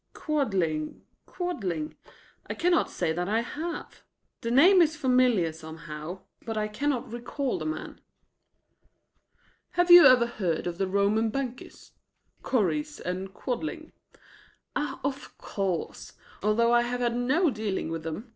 "Quadling Quadling? I cannot say that I have. The name is familiar somehow, but I cannot recall the man." "Have you never heard of the Roman bankers, Correse & Quadling?" "Ah, of course. Although I have had no dealing with them.